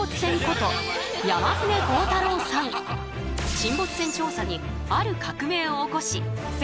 沈没船調査にある革命を起こし世界で大活躍！